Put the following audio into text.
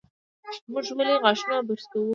موږ ولې غاښونه برس کوو؟